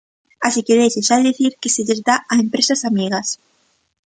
Así que deixe xa de dicir que se lles dá a empresas amigas.